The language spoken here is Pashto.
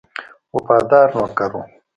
وفادار نوکر وو.